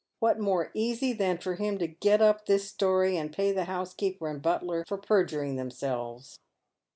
What more easy than for him to get up this story, and pay the housekeeper and butler for per juring themselves